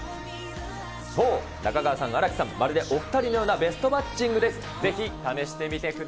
そう、中川さん、新木さん、まるでお２人のようなベストマッチングです。